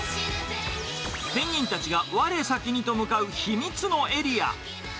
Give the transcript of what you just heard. ペンギンたちがわれさきにと向かう秘密のエリア。